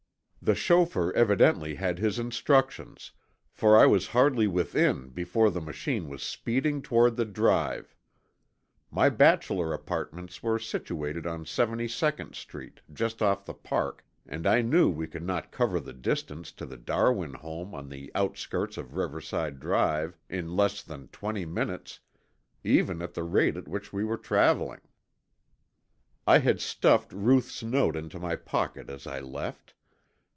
The chauffeur evidently had his instructions, for I was hardly within before the machine was speeding toward the Drive. My bachelor apartments were situated on 72nd Street, just off the Park, and I knew we could not cover the distance to the Darwin home on the outskirts of Riverside Drive in less than twenty minutes, even at the rate at which we were traveling. I had stuffed Ruth's note into my pocket as I left.